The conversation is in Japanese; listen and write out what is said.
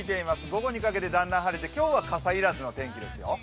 午後にかけてだんだん晴れて今日は傘要らずのお天気ですよ。